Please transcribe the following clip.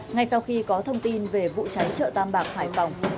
ngay sau khi có thông tin về vụ cháy chợ tam bạc hải phòng